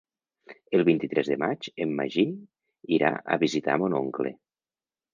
El vint-i-tres de maig en Magí irà a visitar mon oncle.